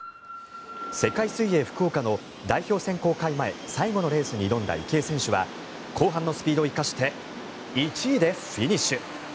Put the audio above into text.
世界水泳福岡の代表選考会前最後のレースに挑んだ池江選手は後半のスピードを生かして１位でフィニッシュ。